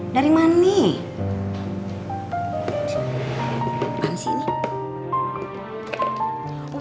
nanti aku kasih pee